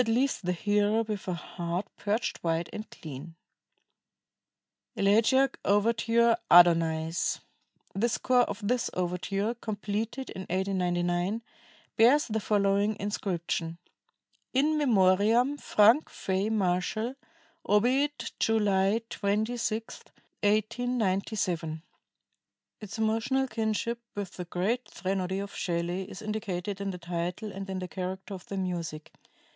leaves the hearer with a heart purged white and clean." ELEGIAC OVERTURE, "ADONAIS" The score of this overture, completed in 1899, bears the following inscription: "In memoriam Frank Fay Marshall, obiit July 26, 1897." Its emotional kinship with the great threnody of Shelley is indicated in the title and in the character of the music.